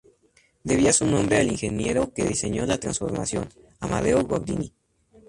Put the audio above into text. Debía su nombre al ingeniero que diseñó la transformación: Amadeo Gordini.